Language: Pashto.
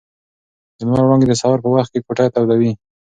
د لمر وړانګې د سهار په وخت کې کوټه تودوي.